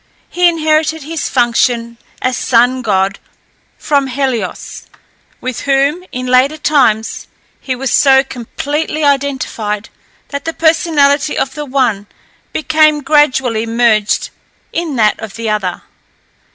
He inherited his function as sun god from Helios, with whom, in later times, he was so completely identified, that the personality of the one became gradually merged in that of the other.